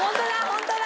本当だ！